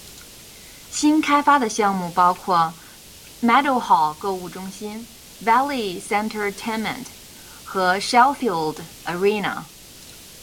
新开发的项目包括 Meadowhall 购物中心、Valley Centertainment 和 Sheffield Arena。